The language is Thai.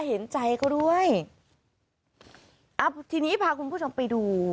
เห็นใจเขาด้วยอ่าทีนี้พาคุณผู้ชมไปดู